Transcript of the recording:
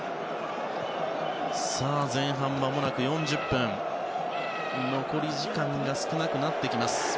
前半まもなく４０分残り時間が少なくなってきます。